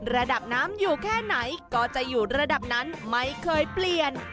ระดับน้ำอยู่แค่ไหนก็จะอยู่ระดับนั้นไม่เคยเปลี่ยน